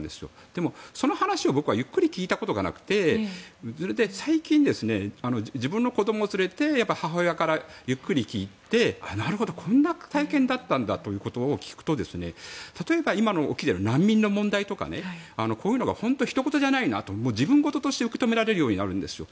でも、その話を僕はゆっくり聞いたことがなくて最近、自分の子どもを連れて母親からゆっくり聞いてなるほど、こんな体験だったんだということを聞くと例えば今、起きてる難民の問題とかがこういうのが本当にひと事じゃないなと自分事として受け止められるようになるんですよ。